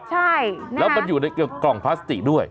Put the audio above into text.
ใช่แล้วมันอยู่ในกล่องพลาสติกด้วย